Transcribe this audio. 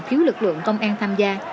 thiếu lực lượng công an tham gia